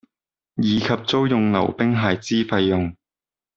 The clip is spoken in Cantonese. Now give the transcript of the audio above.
以及租用溜冰鞋之費用